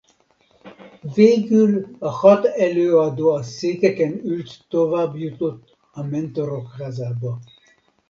Végül a hat előadó a székeken ült tovább jutott a Mentorok házába.